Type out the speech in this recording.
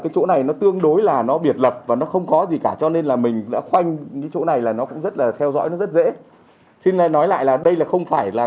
của từng hội dân